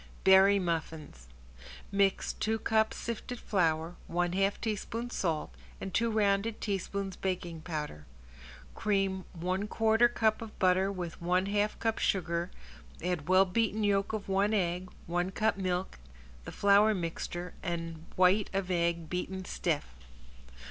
~BERRY MUFFINS~ Mix two cups sifted flour, one half teaspoon salt and two rounded teaspoons baking powder. Cream one quarter cup of butter with one half cup sugar, add well beaten yolk of one egg, one cup milk, the flour mixture and white of egg beaten stiff.